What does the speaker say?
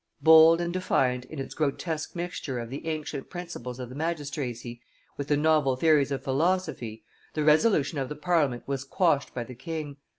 Bold and defiant in its grotesque mixture of the ancient principles of the magistracy with the novel theories of philosophy, the resolution of the Parliament was quashed by the king.